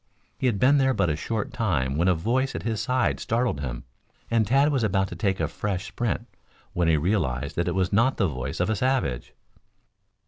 He had been there but a short time when a voice at his side startled him, and Tad was about to take a fresh sprint when he realized that it was not the voice of a savage.